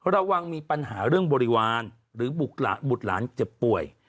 ระวังมีปัญหาเรื่องบริวารหรือบุตรหลานเจ็บป่วย